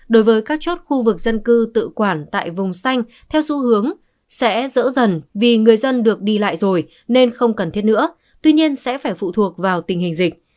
đối với các chốt khu vực dân cư tự quản tại vùng xanh theo xu hướng sẽ dỡ dần vì người dân được đi lại rồi nên không cần thiết nữa tuy nhiên sẽ phải phụ thuộc vào tình hình dịch